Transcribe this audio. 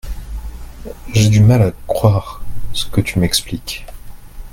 J'ai du mal à coire ce que tu m'expliques.